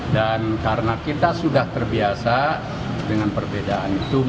dan karena kita sudah terbiasa dengan perbedaan itu